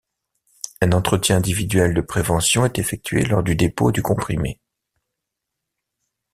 Un entretien individuel de prévention est effectué lors du dépôt du comprimé.